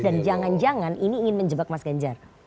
dan jangan jangan ini ingin menjebak mas ganjar